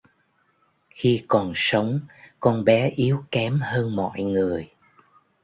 Khi còn sống con bé yếu kém hơn mọi người